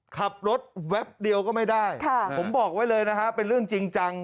ขับรถแวบเดียวก็ไม่ได้ผมบอกไว้เลยนะฮะเป็นเรื่องจริงจัง